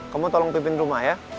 kamu tolong pimpin rumah ya